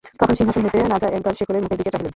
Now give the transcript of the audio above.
তখন সিংহাসন হইতে রাজা একবার শেখরের মুখের দিকে চাহিলেন।